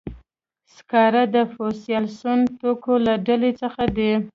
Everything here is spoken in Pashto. سکاره د فوسیل سون توکو له ډلې څخه دي.